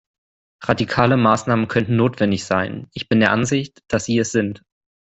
Radikale Maßnahmen könnten notwendig sein ich bin der Ansicht, dass sie es sind.